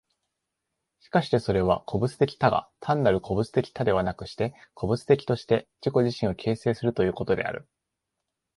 しかしてそれは個物的多が、単なる個物的多ではなくして、個物的として自己自身を形成するということである。